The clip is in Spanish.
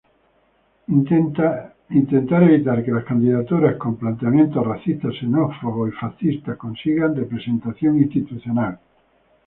Intentar evitar que las candidaturas con planteamientos racistas, xenófobos y fascistas consigan representación institucional.